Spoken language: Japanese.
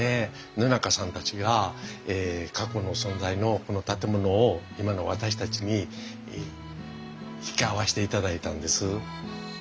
野中さんたちが過去の存在のこの建物を今の私たちに引き合わしていただいたんです。